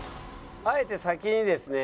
あえて先にですね